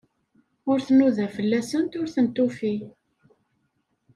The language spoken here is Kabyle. Ur tnuda fell-asent, ur tent-tufi.